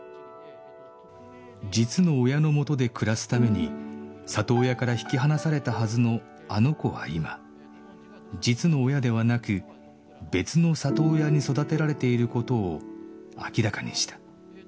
実の親の元で暮らすために里親から引き離されたはずの「あの子」は今実の親ではなく別の里親に育てられていることを明らかにした